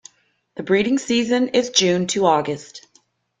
The breeding season is June to August.